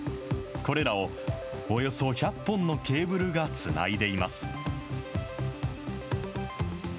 これらをおよそ１００本のケーブルがつないでいます。